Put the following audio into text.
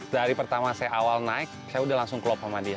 dari pertama saya awal naik saya udah langsung klop sama dia